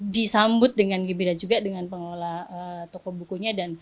disambut dengan gembira juga dengan pengolah toko bukunya